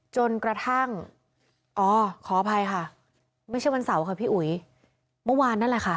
จนกระทั่งอ๋อขออภัยค่ะไม่ใช่วันเสาร์ค่ะพี่อุ๋ยเมื่อวานนั่นแหละค่ะ